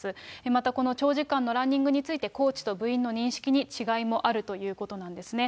またこの長時間のランニングについて、コーチと部員の認識に違いもあるということなんですね。